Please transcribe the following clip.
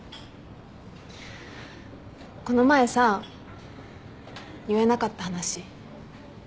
この前さ言えなかった話。